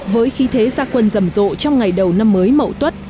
với khí thế gia quân rầm rộ trong ngày đầu năm mới mậu tuất